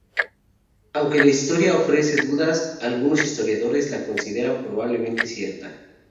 Aunque la historia ofrece dudas, algunos historiadores la consideran probablemente cierta.